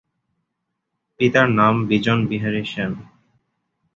পিতার নাম বিজন বিহারী সেন।